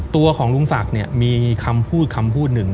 ตัวของลุงศักดิ์เนี่ยมีคำพูดคำพูดหนึ่ง